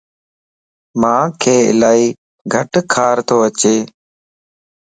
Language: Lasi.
مانک الائي گٽ کارتواچي